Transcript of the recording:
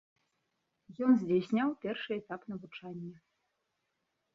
Ён здзяйсняў першы этап навучання.